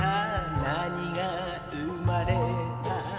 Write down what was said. なにが生まれた